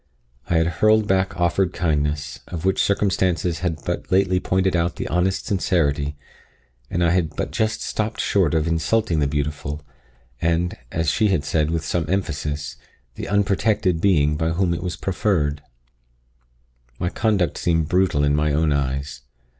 I had hurled back offered kindness, of which circumstances had but lately pointed out the honest sincerity, and I had but just stopped short of insulting the beautiful, and, as she had said with some emphasis, the unprotected being by whom it was proffered. My conduct seemed brutal in my own eyes.